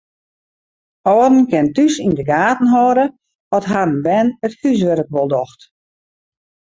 Alden kinne thús yn de gaten hâlde oft harren bern it húswurk wol docht.